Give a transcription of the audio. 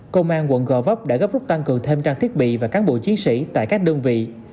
công an quận gò vấp đã gấp rút tăng cường thêm trang thiết bị và cán bộ chiến sĩ tại các đơn vị